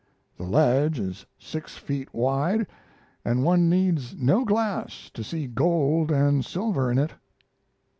The ledge is six feet wide, and one needs no glass to see gold and silver in it....